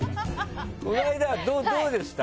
この間、どうでした？